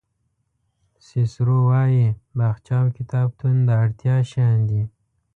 سیسرو وایي باغچه او کتابتون د اړتیا شیان دي.